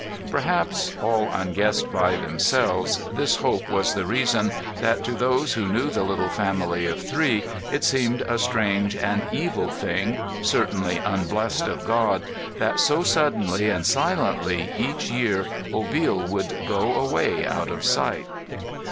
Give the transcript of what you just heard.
Perhaps, all unguessed by themselves, this hope was the reason that, to those who knew the little family of three, it seemed a strange and evil thing, certainly unblessed of God, that so suddenly and silently each year Obil should go away out of sight.